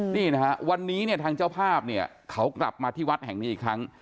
นี่นะฮะวันนี้เนี่ยทางเจ้าภาพเนี่ยเขากลับมาที่วัดแห่งนี้อีกครั้ง